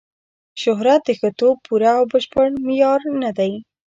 شهرت د ښه توب پوره او بشپړ معیار نه دی.